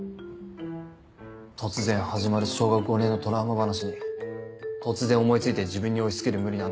突然始まる小学５年のトラウマ話に突然思いついて自分に押しつける無理難題。